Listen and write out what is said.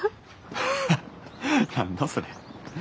ハハッ何だそれ。